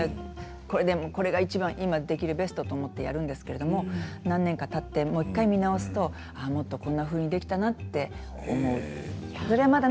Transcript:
これがいちばん今できるベストと思ってやるんですけど何年かたって見直すともっとこんなふうにできたなって思います。